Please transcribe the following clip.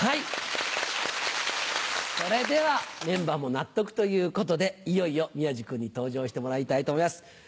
それではメンバーも納得ということでいよいよ宮治君に登場してもらいたいと思います。